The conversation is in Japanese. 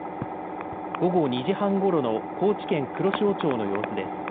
午後２時半ごろの高知県黒潮町の様子です。